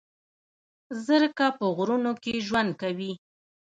زرکه په غرونو کې ژوند کوي